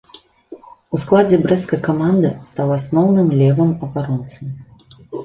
У складзе брэсцкай каманды стаў асноўным левым абаронцам.